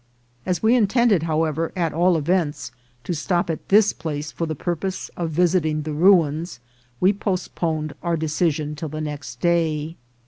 As we intended, however, at all events, to stop at this place for the purpose of visiting the ruins, we postponed our decision till the next day.